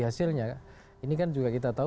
hasilnya ini kan juga kita tahu